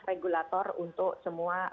regulator untuk semua